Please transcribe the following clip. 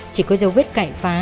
chỉ có dấu viết cạnh phá